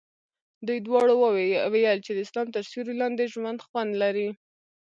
دوی دواړو ویل چې د اسلام تر سیوري لاندې ژوند خوند لري.